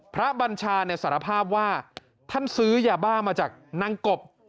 บัญชาเนี่ยสารภาพว่าท่านซื้อยาบ้ามาจากนางกบ